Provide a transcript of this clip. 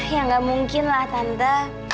ya gak mungkin lah tante